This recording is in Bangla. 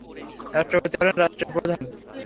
রাষ্ট্রপতি হলেন রাষ্ট্রের প্রধান।